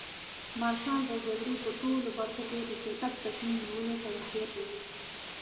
مارشال د جګړې په ټولو برخو کې د چټک تصمیم نیولو صلاحیت لري.